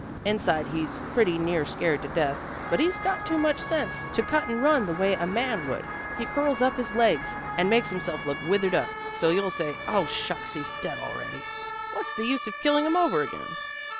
Inside he's pretty near scared to death, but he's got too much sense to cut and run the way a man would. He curls up his legs, and makes himself look withered up, so you'll say, 'Oh, shucks! he's dead already. What's the use of killing him over again?'"